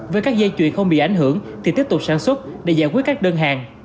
với các dây chuyền không bị ảnh hưởng thì tiếp tục sản xuất để giải quyết các đơn hàng